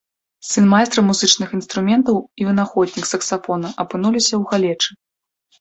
Сын майстра музычных інструментаў і вынаходнік саксафона апынуліся ў галечы.